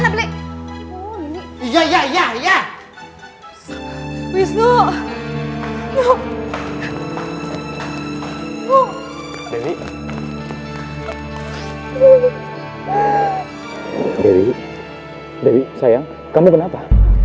beli beli sayang kamu kenapa